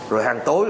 rồi hàng tối